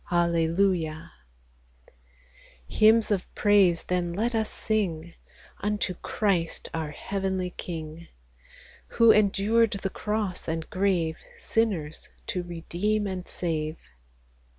Hallelujah ! Hymns of praise then let us sing Unto Christ our heavenly King, Who endured the cross and grave, Sinners to redeem and save.